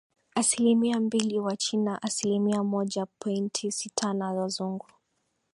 Asilimia mbili Wachina asilimia moja pointi sitana Wazungu